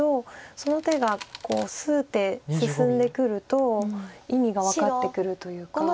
その手が数手進んでくると意味が分かってくるというか。